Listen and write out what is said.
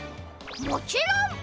もちろん！